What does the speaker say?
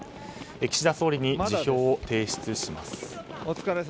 岸田総理に辞表を提出します。